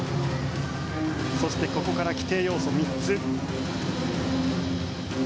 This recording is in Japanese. そしてここから規定要素３つ。